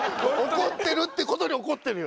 怒ってるって事に怒ってるよ！